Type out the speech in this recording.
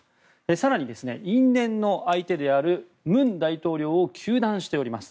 更に、因縁の相手である文大統領を糾弾しています。